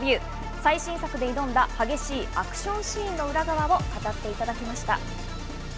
最新作で挑んだ激しいアクションシーンの裏側を語っていただきました。